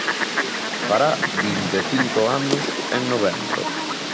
Fará vinte e cinco anos en novembro.